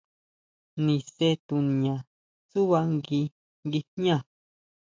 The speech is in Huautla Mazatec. Nise tuniña tsúʼba ngui guijñá.